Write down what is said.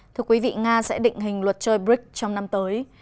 thưa quý vị nga sẽ định hình luật chơi brics trong năm tới